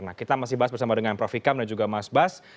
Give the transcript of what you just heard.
nah kita masih bahas bersama dengan prof ikam dan juga mas bas